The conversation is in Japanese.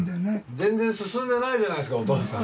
全然すすんでないじゃないですかお父さん。